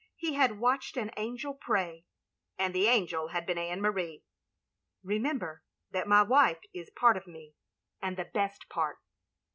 He had "watched an angel pray, and the angel had been Anne Marie. '* Remember that my wife is part of me — and the best part.'